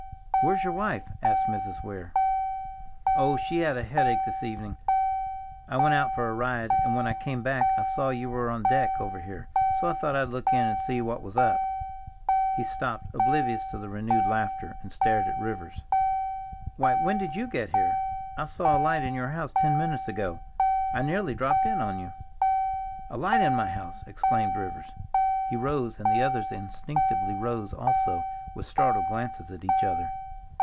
"Where's your wife?" asked Mrs. Weir. "Oh, she had a headache this evening. I went out for a ride, and when I came back I saw you were on deck over here, so I thought I'd look in and see what was up." He stopped, oblivious of the renewed laughter, and stared at Rivers. "Why, when did you get here? I saw a light in your house ten minutes ago. I nearly dropped in on you." "A light in my house!" exclaimed Rivers. He rose, and the others instinctively rose also, with startled glances at each other.